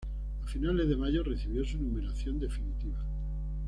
A finales de mayo recibió su numeración definitiva.